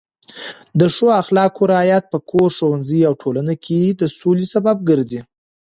د ښو اخلاقو رعایت په کور، ښوونځي او ټولنه کې د سولې سبب ګرځي.